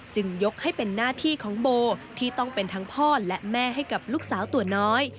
ยกให้เป็นหน้าที่ของโบที่ต้องเป็นทั้งพ่อและแม่ให้กับลูกสาวตัวน้อย